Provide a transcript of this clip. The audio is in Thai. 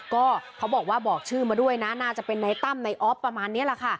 ก็เขาบอกว่าบอกชื่อมาด้วยนะน่าจะเป็นในตั้มในออฟประมาณนี้แหละค่ะ